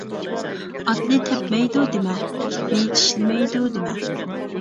ئاتنى تەپمەيدۇ دېمە، ئىتنى چىشلىمەيدۇ دېمە.